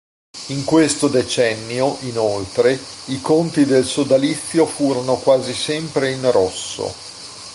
In questo decennio, inoltre, i conti del sodalizio furono quasi sempre in rosso.